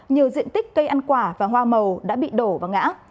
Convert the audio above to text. nhiều diện tích cây ăn quả và hoa màu đã bị đổ và ngã